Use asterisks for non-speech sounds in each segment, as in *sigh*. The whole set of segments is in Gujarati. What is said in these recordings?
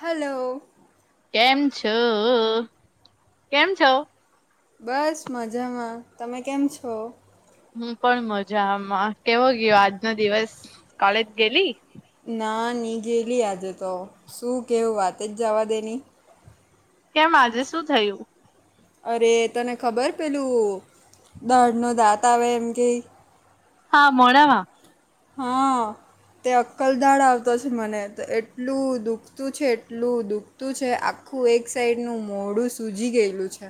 હલો કેમ છો કેમ છો બસ મજામાં તમે કેમ છો હું પણ મજામાં કેવો ગયો આજનો દિવસ કોલેજ ગેલી ના ની ગેલી આજે તો શું કેવું વાત જ જવા દેની કેમ આજે શું થયું અરે તને ખબર પેલું દાઢનો દાંત આવે એમ કે હા મોડામાં હા. તે અક્કલદાડ આવતો છે મને તો એટલું દુખતું છે એટલું દુખ તું છે આખું એક સાઈડનું મોડું સૂજી ગયેલું છે.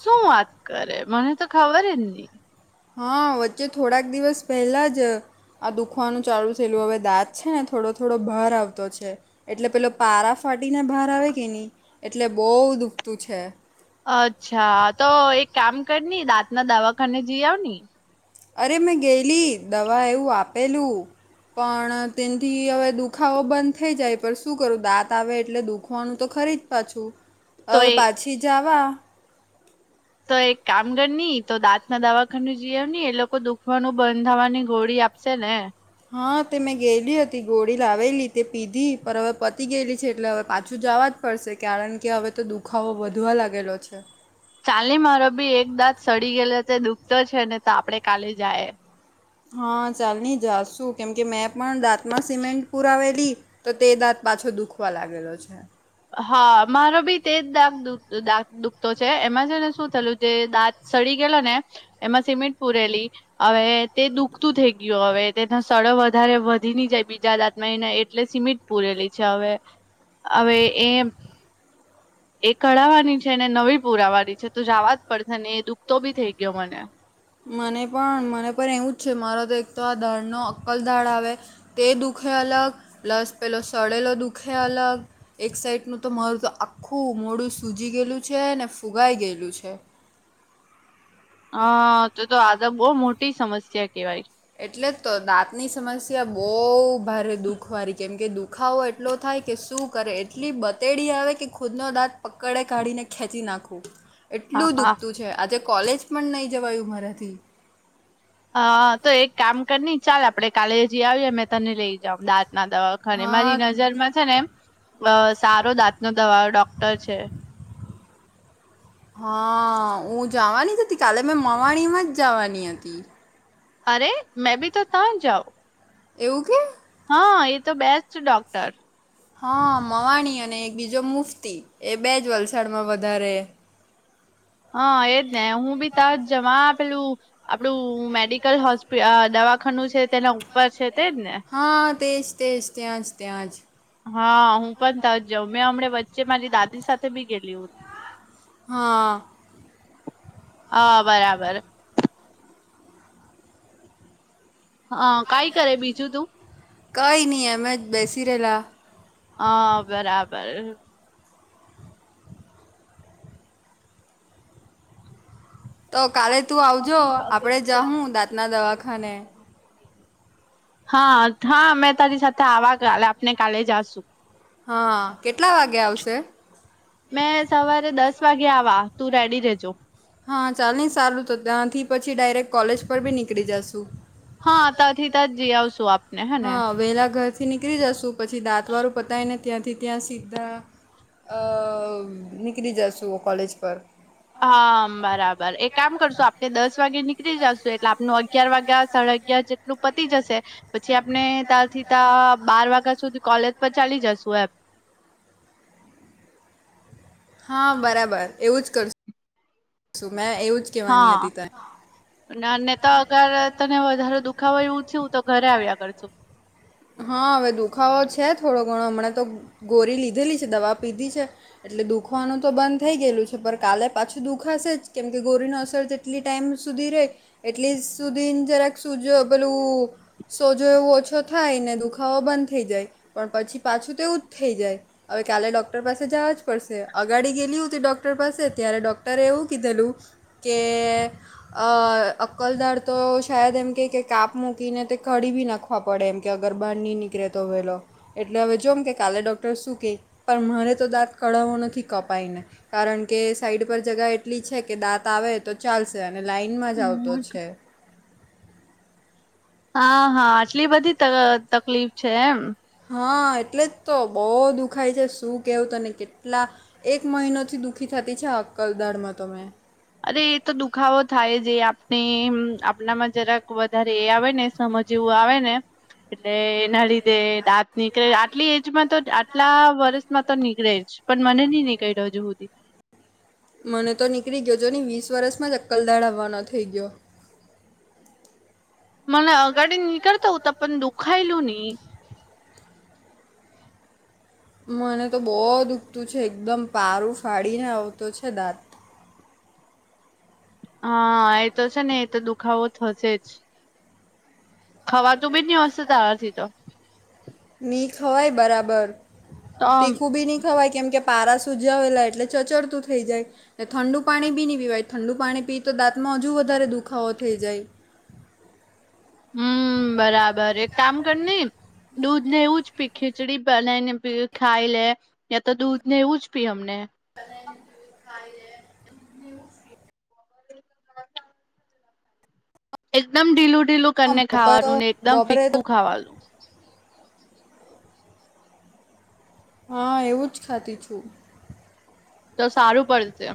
શું વાત કરે મને તો ખબર જ નહી. હા વચ્ચે થોડાક દિવસ પહેલા જ આ દુખવાનું ચાલુ થયેલું હવે દાંત છે ને થોડો થોડો ભાર આવતો છે. એટલે પેલો પારા ફાટીને બહાર આવે કે ની એટલે બહુ દુખતું છે. અચ્છા તો એક કામ કરની દાંત ના દવાખાને જી આવ ની અરે મેં ગયલી દવા એવું આપેલું પણ તેથી હવે દુખાવો બંધ થઈ જાય પણ શું કરું દાંત આવે એટલે દુખવાનું તો ખરી જ પાછું હવે પાછી જાવા તો એક કામ કર ની તો દાંત ના દવાખાનું જીવ ની એ લોકો દુખવાનું બંધ થવાની ગોળી આપે છેને. હા, તે મેં ગયેલી હતી. ગોળી લાવેલી તે પીધી પર હવે, પતિ ગયેલી છે. એટલે હવે, પાછું જવાનું પડશે. કારણ કે હવે, તો દુખાવો વધવા લાગેલો છે. ચાલે મારો બી એક દાંત સડી ગઈલો તે દુઃખતો છે ને તો આપણે કાલે જાએ. હા, ચાલની જાશું. કેમકે મેં પણ દાંતમાં સિમેન્ટ પુરાવેલી. તો તે દાંત પાછો દુખવા લાગેલો છે. હા, મારો ભી તેજ દાંત દુ દુખતો છે. એમાં છે ને શું થયલું જે દાંત સડી ગયેલો ને એમાં સિમેન્ટ પુરેલી? હવે, તે દુખતું થઈ ગયું. હવે, તેના સળો વધારે વધી ન જાય, બીજા દાંતમાં એને એટલે સિમેન્ટ પૂરેલી છે. હવે હવે, એ એ કઢાવવાની છે ને નવી પુરાવાની છે, તો જવા જ પડશે ને એ દુખતો બી થઈ ગયો મને. મને પણ મને પણ એવું જ છે. મારો તો એક તો આ દરનો અક્કલદાડ આવે. તે દુઃખે અલગ, પ્લસ પેલો સળેલો દુઃખે અલગ એક સાઈડનું તો માર તો આખું મોડું સૂજી ગયેલું છે ને, ફુગાઈ ગયેલું છે. હ, તો તો આતો બહુ મોટી સમસ્યા કેવાય? એટલે તો દાંતની સમસ્યા બહુ ભારે દુખવાળરી કેમ કે દુખાવો એટ એટલો થાય કે શું કરે એટલી બતેડી આવે કે ખુદનો દાંત પકડે કાઢીને ખેંચી નાખવું, એટલું દુખતું છે. આજે કોલેજ પણ નહી જવાયું મારાથી. હા, તો એક કામ કરની ચાલ. આપડે કાલે જઈ આવીએ, મેં તને લઈ જાવ દાંતના દવાખાને? મને મારી નજરમાં છે ને, એમ અ સારો દાંતનો દવા ડોક્ટર છે. હા, હું જવાની જ હતી? કાલે મેં માવાણીમાં જ જવાની હતી. અરે! મેં ભી તો તં જાઓ. એવું કે? હા, એ તો બેસ્ટ ડોક્ટર. હા, મવાણી અને એક બીજો મુફ્તી એ બે જ વલસાડમાં વધારે હા, એજ ને. હું બી તજ જમા પેલું આપણું મેડિકલ હોસપે અ દવાખાનું છે, તેના ઉપર છે તેજ ને? હા, તેજ તેજ. ત્યાં જ, ત્યાંજ. હા, હું પણ તાં જ જાઉં મેં અમણે વચ્ચે મારી દાદી સાથે બી ગેલી ઉતી. હા. આ બરાબર. હાં કાંઈ કરે બીજું તું? કંઈ ની એમ જ બેસી રેલા. હાં બરાબર. તો કાલે તું આવજો આપણે જહુ દાંતના દવાખાને હા થા મેં તારી સાથે આવા કાલે આપને કાલે જાશુ હાં કેટલા વાગે આવશે? મેં સવારે દસ વાગે આવા તું રેડી રેજો. હાં ચાલની સારુ તો ત્યાંથી પછી ડાયરેક્ટ કોલેજ પર બી નીકળી જશુ. હા, તાંથી તાં જ જી આવશું આપને હેને વેલા ઘર થી નીકરી જશું પછી દાંતવાળું પતાયને ત્યાંથી ત્યાં સીધા અ નીકરી જાશું કૉલેજ પર હા. બરાબર એક કામ કરશુ આપને દસ વાગે નીકરી જાશું એટલે આપનું અગિયાર વાગે આ સાડા અગયાર જેટલું પ પતી જશે પછી આપને તાંથી તા બાર વાગા સુધી કોલેજ પર ચાલી જશું એમ. હાં બરાબર એવું જ કર શું મેં એવું જ હાં ના અને તો અગર તને વધારે દુઃખાવો એવું થ્યુ તો ઘરે આવ્યા કરજે હં હવે દુઃખાવો છે થોડો ઘણો અમણાં તો ગોરી લીધેલી છે દવા પીધી છે. એટલે દુુઃખવાનું તો બંધ થઈ ગેયલું છે પણ કાલે પાછું દુઃખાશે જ કેમ કે ગોરીનો અસર જ એટલી ટાઈમ સુધી રે એટલી સુધીન જરાક શુજો પેલું સોજો એવો ઓછો થાય ને દુઃખાવો બંધ થઈ જાય પણ પછી પાછું તેવું જ થેઈ જાય અવે કાલે ડોક્ટર પાસે જાવા જ પડશે અગાડી ગેલી ઉતી ડોક્ટર પાસે ત્યારે ડોક્ટરે એવું કીધેલું કે અ અક્કલદાઢ તો શાયદ એમ કેય કે કાપ મૂકીને તે કાઢી બી નાખવા પડે એમ કે અગર બાર ની નીકરે તો વેલો એટલે અવે જોમ કે કાલે ડૉક્ટર શું કેય પણ મારે તો દાંત કઢાવવો નથી કપાઈને કારણ કે સાઈડ પર જગા એટલી છે કે દાંત આવે તો ચાલશે અને લાાઈનમાં જ આવતો છે. હાં હાં આટલી બધી ત તકલીફ છે એમ હં એટલે જ તો બો દુઃખાય છે શું કેવું તને કેટલા એક મહિનોથી દુઃખી થતી છે અકલદાઢમાં તો મેં અરે એ તો દુઃખાવો થાય જે આપને એમ આપનામાં જરાક વધારે એ આવે ને સમજ એવું આવે ને એટલે એના લીધે દાંત નીકળે આટલી એજમાં તો આટલા વરસમાં તો નીકરેજ પણ મને ની નીકરીઓ અજુ હુધી મને તો નીકળી ગયો જો ની વીસ વરસમાં જ અક્કલદાઢ આવવાનો થેઈ ગયો. મને અગાડી નીકળતો હુતો પણ દુઃખાયલું ની મને તો બો દુઃખતું છે એકદમ પારું ફાડીને આવતો છે દાંત હાં એતો છે ને એ તો દુઃખાવો થશે જ ખવાતું બી ની હશે તારાથી તો ની ખવાય બરાબર તીખું બી ની ખવાય કેમ કે પારા સુજઆવેલા એટલે ચચડતું થઈ જાય ને ઠંડુ પાણી બીની પીવાય ઠંડુ પાણી પી તો દાંતમાં હજુ વધારે દુખાવો થઈ જાય. હમ બરાબર એક કામ કર ને દૂધ ને એવું જ પી ખીચડી બનાઈને પી ખાઈ લે. યાં તો દૂધ ને એવું જ પી અમને. *unintelligible* એકદમ ઢીલું ઢીલું કરને ખાવાનું ને એકદમ ફિક્કું ખાવાનું. હા એવું જ ખાતી છું. તો સારું પડશે.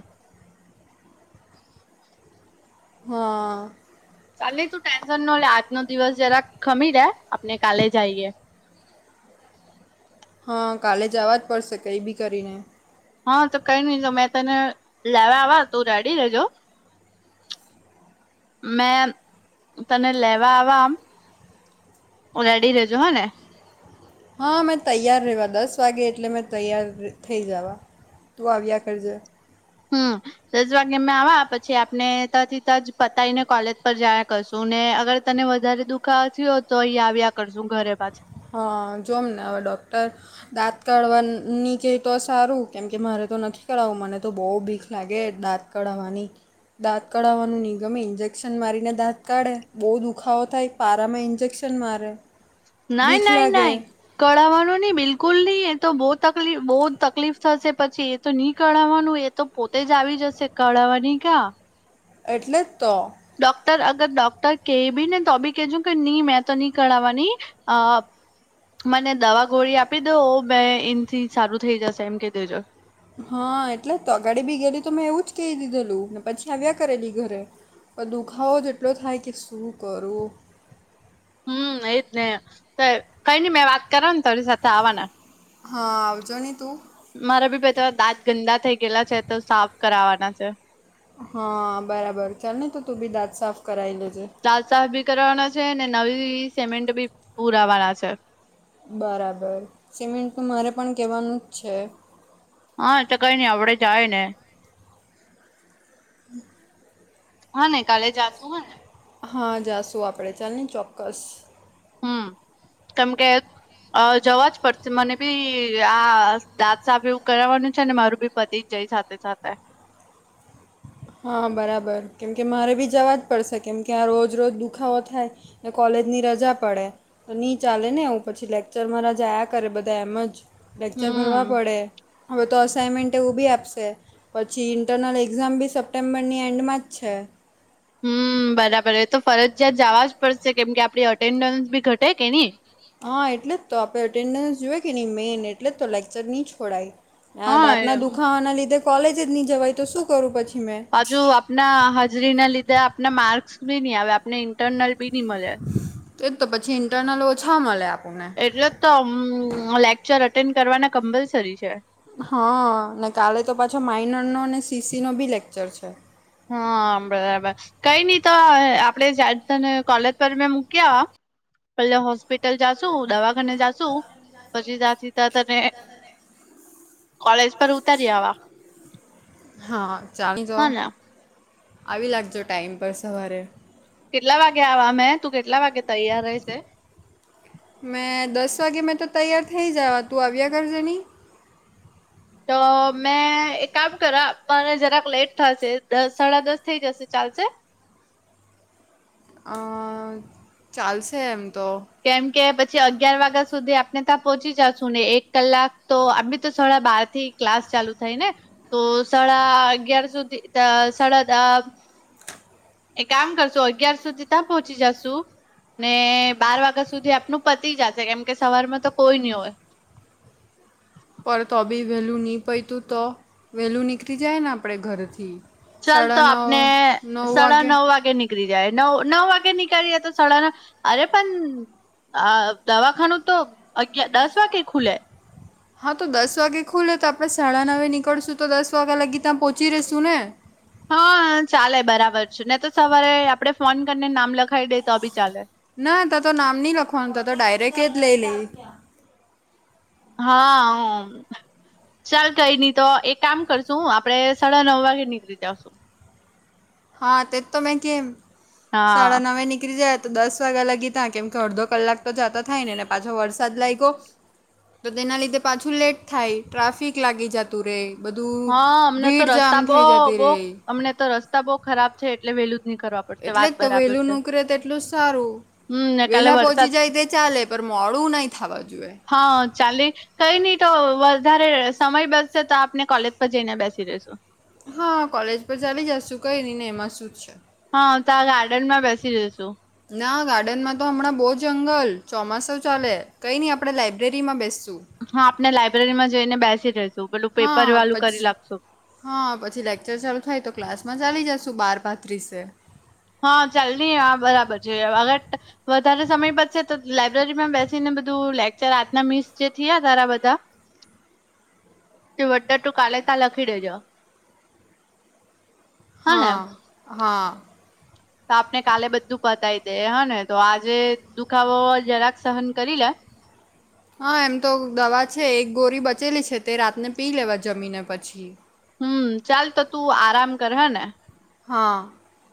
હા. ચાલ ને તું ટેન્શન નો લે આજનો દિવસ જરા ખમી જા આપને કાલે જાઈએ. હા કાલે જાવા જ પડશે કંઈ બી કરીને. હા તો કઈ નહી જો મેં તને લેવા આવવા તું રેડી રેજો. મેં તને લેવા આવવા આમ ઓ રેડી રેજો હો ને. હા મેં તૈયાર રહેવા દસ વાગે એટલે મેં તૈયાર થઈ જવા. તું આવ્યા કરજે. હમ. દસ વાગે મે આવા પછી આપને તાંથી તાંજ પતાઈને કોલેજ પર જાયા કરશું ને અગર તને વધારે દુખાવો થ્યો તો અહીયા આવ્યા કરશું ઘરે પાછા. હા જોમને હવે ડોક્ટર દાંત કાઢવા ની કે તો સારું કેમ કે મારે તો નથી કઢાવવું મને તો બહુ બીક લાગે દાંત કઢાવવાની દાંત કઢાવવાનું નિગમે ઇન્જેક્શન મારીને દાંત કાઢે બોવ દુખાવો થાય પારામાં ઇન્જેક્શન મારે. નાઈ નાઇ નઇ. કઢાવાનું ની બિલકુલ ની એ તો બો તકલીફ બો તકલીફ થશે પછી એ તો ની કઢાવાનું એ તો પોતે જ આવી જશે કઢાવાની કાં. એટલે જ તો. ડોક્ટર અગર ડોક્ટર કેય બી ને તો બી કેજો કે ની મેં તો ની કઢાવાની. આ અપ. મને દવા ગોળી આપી દો બે એનથી સારું થઈ જશે એમ કેય દેજો. હા એટલે જ તો અગાડી બી ગેયલી તો મેં એવું જ કેઇ દીધેલું ન પછી આવ્યા કરેડી ઘરે. અ દુખાવો જ એટલો થાય કે શું કરું? હમ એજ ને ત કઈ ની મેં વાત કરા ન તરી સાથે આવાનાં. હા આવજો ની તું. મારા બી બે ત દાંત ગંદા થઈ ગેલા છે તો સાફ કરાવાના છે. હા બરાબર ચાલ ને તો તું બી દાંત સાફ કરાઈ લેજે. દાંત સાફ ભી કરવાના છે ને નવી સિમેન્ટ બી પુરાવાના છે. બરાબર સિમેન્ટનું મારે પન કેવાનું જ છે. હા તો કઈ ની આવડે જાય ને. *unintelligible* હ ને કાલે જાશુ હ ને. હા જાશું આપડે ચાલને ચોક્કસ. *unintelligible* અ જવા જ પડશે મને બી આ દાત સાફ એવું કરાવાનું છે ને મારું બી પતિ જ જાય સાથે સાથે. હા, બરાબર કેમ કે મારે બી જવા જ પડશે કેમ કે આ રોજ રોજ દુખાવો થાય ને કોલેજ ની રજા પડે. તો ની ચાલે ને એવુ પછી લેક્ચર મારા જાયા કરે બધા એમ જ. લેક્ચર ભરવા પડે. હવે તો અસાઇનમેન્ટ એવુ બી આપશે, પછી ઇન્ટરનલ એક્ઝામ બી સપ ટેમ્બરની એન્ડમાં જ છે. હમમ, બરાબર એ તો ફરજિયાત જાવા જ પડશે કેમ કે આપડી અટેન્ડન્સ ભી ઘટે કે ની? હ, એટલે જ તો આપડે એટેન્ડન્સ જોએ કે ની મેઇન એટલે જ તો લેક્ચર ની છોડાય. આ દાંત ના દુખાવાના લીધે કોલેજ જ ની જવાય તો શું કરું પછી મેં? પાછુ આપના આ હાજરીના લીધે આપના માર્કસ બી ની આવે આપને તે જ તો પછી ઇન્ટરનલ ઓછા મલે આપને. તોમ લેક્ચર અટેન્ડ કરવાના કમ્પલસરી છે? હ, ને કાલે તો પાછો માઇનરનો ને સી સી નો બી લેક્ચર છે. હ, બરાબર. કઈ ની તો અ આપડે જ્યારે તને કોલેજ પર મેં મૂકી આવા. પેલે હોસ્પિટલ જાશુ દવાખાને જાશુ પછી તાંથી તા તને કોલેજ પર ઉતારી આવા. હા, ચાલજો. આવી લાગજો ટાઈમ પર સવારે. કેટલા વાગે આવા મે? તું કેટલા વાગે તૈયાર રેહશે? મેં દસ વાગે મેં તો તૈયાર થઈ જાવા તું આવ્યા કરજે ની. તો મેં એક કામ કરા મારે જરાક લેટ થાશે દસ સાડા દસ થઈ જશે, ચાલશે? અ, ચાલશે એમ તો. કેમ કે પછી અગિયાર વાગા સુધી આપને તાં પોચી જાશું ને એક કલાક તો આપી તો સાડા બારથી ક્લાસ ચાલુ થાય ને, તો સાડા અગિયાર સુધી ત સાડા દ અ એક કામ કરશુ અગિયાર સુધી ત્યાં પહોચી જશુ ને બાર વાગ ગા સુધી આપનું પતિ જાશે કેમ કે સવારમાં તો કોઈ ની હોય. પર તો બી વહેલું ની પયતું તો? વહેલું નીકળી જાયે ને આપણે ઘરથી. ચાલ તો આપને સાડા નવ વાગે નીક નીકરી જાયે. નવ નવ વાગે નીકળીએ જાય તો સાડા ન અરે પન આ દવાખાનું તો અગયા દસ વાગે ખુલે. હા, તો દસ વાગે ખુલે તો આપણે સાડા નવે નીકળશું તો દસ વાગ્યા લગી ત્યાં પહોંચી રહેશું ને? હા, ચાલે બરાબર છે ને તો સવારે આપડે ફોન કરીને નામ લખાવી દઈ તો બી ચાલે. ના, તા તો નામ ની લખવાનું તા તો ડાયરેક્ટ કેજ લે લેય. હા, હ. ચાલ કઈ ની તો એક કામ કરશુ આપડે સાડા નવ વાગે નીકળી *inaudible* હા, તે જ તો મે કેમ. સાડા નવે નીકળી જાયે ત તો દસ વાગા લાગી તા કેમ કે અડધો કલાક તો જાતો થાય ને ને પાછો વરસાદ લાગયો તો તેના લીધે પાછું લેટ થાય ટ્રાફિક લાગી જત તું રેય બધું ભીડ જામ થઇ જતી રેય. અમને તો રસ્તા બહુ ખરાબ છે એટલે વેલું નીકરવા પડશે, વાત બરાબર છે. હમ, ને કાલે વરસાદ પર મોડું નહીં થવા જોઈએ. હા, ચાલની કઈ ની તો વધારે સમય બેચસે તો આપને કોલેજ પર જઈને બેસી રેશુ હ કોલેજ પર ચાલી જશું કઈનીને એમાં શું છે. હા તા ગાર્ડનમાં બેસી જયશુ ના ગાર્ડનમાં તો હમણાં બો જંગલ ચોમાસું ચાલે કઈ ની આપડે લાઈબ્રેરીમાં બેસશું હા આપને લાયબ્રેરીમાં જઈને બેસી રહેશું પહેલું પેપર વાલું કરી લાખશુ. હ પછી લેક્ચર ચાલુ થાય તો ક્લાસમાં ચાલી જશું બાર પા ત્રીસે હ ચાલની આ બરાબર છે, અગર વધારે સમય બચશે તો લાયબ્રેરીમાં બેસી ને બધું લેક્ચર આજના મિસ જે થીયા તારા બધા તે બધા તું કાલે તા લખી દેજે હ હ. તા આપને કાલે બધું પતાવી દેયે હને તો આજે દુખાવો જરાક સહન કરી લે. હ એમ તો દવા છે, એક ગોરી બચેલી છે, તે રાતને પી લેવા જમીને પ છી હમ ચાલ તો તું આરામ કર હને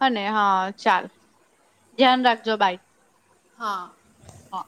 હને હ ચાલ હા. હ.